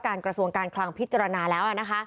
กระทรวงการคลังพิจารณาแล้ว